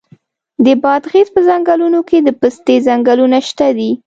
د بادغیس په څنګلونو کې د پستې ځنګلونه شته دي.